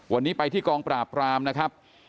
วันนี้ไปที่กองปราบรามนะครับ